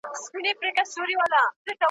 لکه غشې هسي تښتي له مکتبه `